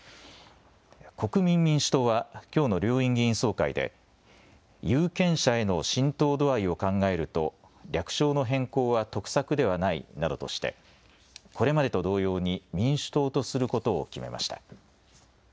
国民民主党はきょうの両院議員総会で有権者への浸透度合いを考えると略称の変更は得策ではないなどとしてこれまでと同様に民主党とすることを決めました。